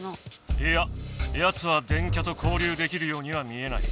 いややつは電キャと交流できるようには見えない。